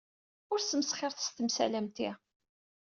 Ur smesxiret s temsal am ti.